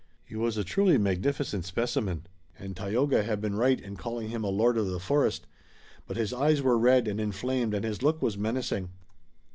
He was a truly magnificent specimen, and Tayoga had been right in calling him a lord of the forest, but his eyes were red and inflamed and his look was menacing.